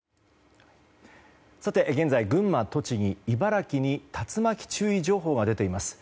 現在群馬、栃木、茨城に竜巻注意情報が出ています。